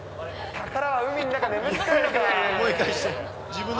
宝は海の中に眠ってるのかなー。